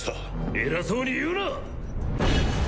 偉そうに言うな！